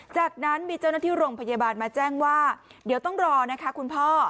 จากนั้นมีเจ้าหน้าที่โรงพยาบาลมาแจ้งว่าเดี๋ยวต้องรอนะคะคุณพ่อ